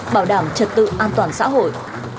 bảo đảm trật tự an toàn xã hội